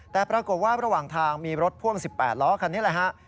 แต่ปรากฏว่าระหว่างทางมีรถพ่วง๑๘ล้อคันนี้แหละฮะ